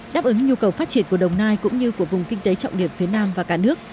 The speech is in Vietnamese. đáp ứng nhu cầu phát triển của đồng nai cũng như của vùng kinh tế trọng điểm phía nam và cả nước